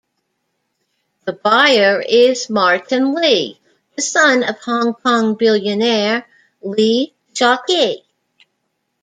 The buyer is Martin Lee, the son of Hong Kong billionaire Lee Shau-kee.